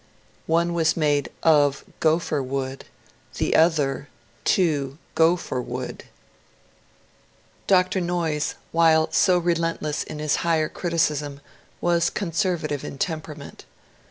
One was made q/* gopher wood, the other to go for wood I " Dr. Noyes, while so relentless in his ^' higher criticism," was conservative in temperament.